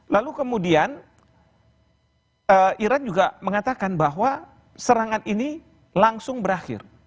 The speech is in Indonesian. lalu kemudian iran juga mengatakan bahwa serangan ini langsung berakhir